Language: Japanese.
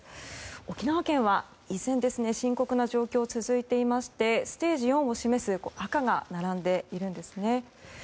沖縄県は、依然深刻な状況が続いていましてステージ４を示す赤が並んでいるんですね。